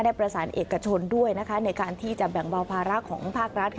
ประสานเอกชนด้วยในการที่จะแบ่งเบาภาระของภาครัฐ